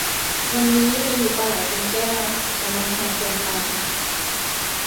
วันนี้เมนูปลาไหลเป็นแก้ว แต่มันแพงเกินไป